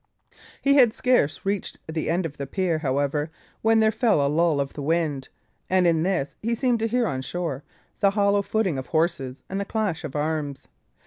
He had scarce reached the end of the pier, however, when there fell a lull of the wind; and in this he seemed to hear on shore the hollow footing of horses and the clash of arms.